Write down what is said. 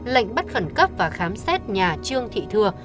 lệnh bắt khẩn cấp và khám xét nhà trương thị thưa